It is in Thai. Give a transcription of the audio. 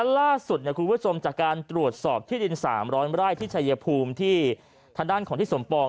ล่าสุดคุณผู้ชมจากการตรวจสอบที่ดิน๓๐๐ไร่ที่ชายภูมิที่ทางด้านของทิศสมปอง